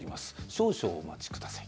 少々お待ちください。